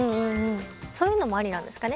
そういうのもありなんですかね。